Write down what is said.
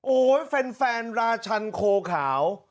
โอ้โหแฟนราชันโคขาว